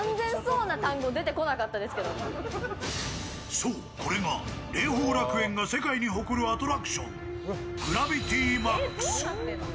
そう、これが麗宝楽園が世界に誇るアトラクション、ＧＲＡＶＩＴＹＭＡＸ。